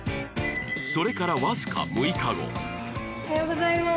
それからわずか６日後おはようございます